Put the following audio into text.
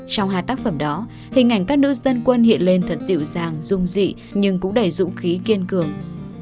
trong hai tác phẩm đó hình ảnh các nữ dân quân hiện lên thật dịu dàng dung dị nhưng cũng đầy dũng khí kiên cường